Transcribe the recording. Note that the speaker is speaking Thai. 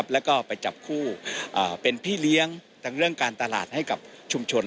แล้วก็ไปจับคู่เป็นพี่เลี้ยงทั้งเรื่องการตลาดให้กับชุมชน